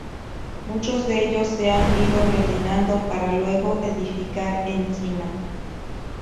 Muchos de ellos se han ido rellenando, para luego edificar encima.